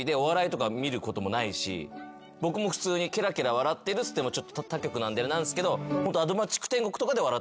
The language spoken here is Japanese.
僕も普通にケラケラ笑ってるっつっても他局なんであれなんすけど。